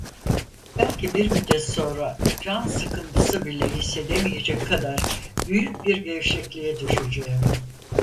Belki bir müddet sonra can sıkıntısı bile hissedemeyecek kadar büyük bir gevşekliğe düşeceğim.